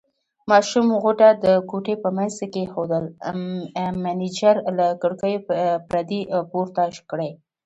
ماشوم غوټه د کوټې په منځ کې کېښوول، مېنېجر له کړکیو پردې پورته کړې.